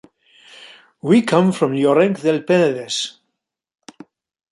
We come from Llorenç del Penedès.